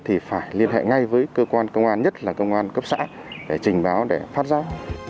thì phải liên hệ ngay với cơ quan công an nhất là công an cấp xã để trình báo để phát giác